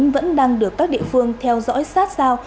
vẫn đang được các địa phương theo dõi sát sao